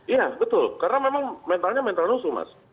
iya betul karena memang mentalnya mental nusu mas